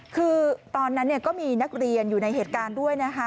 คือตอนนั้นก็มีนักเรียนอยู่ในเหตุการณ์ด้วยนะคะ